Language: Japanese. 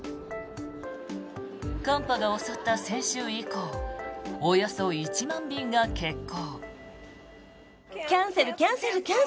寒波が襲った先週以降およそ１万便が欠航。